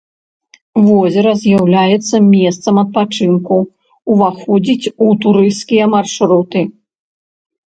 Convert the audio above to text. Возера з'яўляецца месцам адпачынку, уваходзіць у турысцкія маршруты.